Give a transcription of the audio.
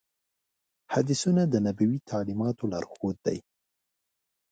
حدیثونه د نبوي تعلیماتو لارښود دي.